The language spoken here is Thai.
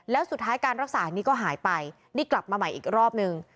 แล้วสุดท้ายการรักษานี้ก็หายไปนี่กลับมาใหม่อีกรอบนึง